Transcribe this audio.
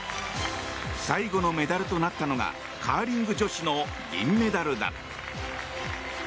最後のメダルとなったのがカーリング女子の銀メダルだ。